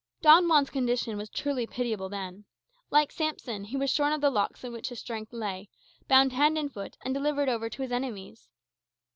Don Juan's condition was truly pitiable then. Like Samson, he was shorn of the locks in which his strength lay, bound hand and foot, and delivered over to his enemies.